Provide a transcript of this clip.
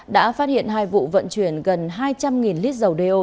đã phát hiện hai vụ vận chuyển gần hai trăm linh lít dầu đeo